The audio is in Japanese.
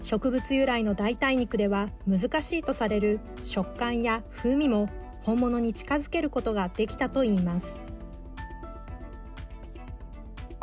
由来の代替肉では難しいとされる食感や風味も本物に近づけることができたといいます。